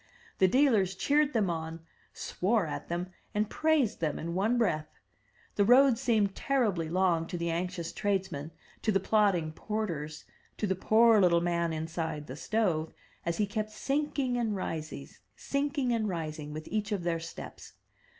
The dealers cheered them on, swore at them and praised them in one breath. The road seemed terribly long to the anxious tradesmen, to the plodding porters, to the poor little man inside the stove, as he kept sinking and rising, sinking and rising, with each of their steps.